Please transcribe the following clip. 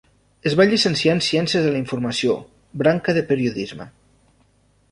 Es va llicenciar en Ciències de la Informació, branca de periodisme.